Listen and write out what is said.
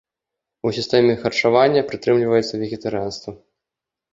У сістэме харчавання прытрымліваецца вегетарыянства.